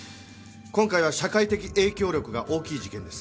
今回は社会的影響力が大きい事件です。